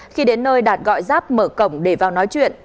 khi đến nơi đạt gọi giáp mở cổng để vào nói chuyện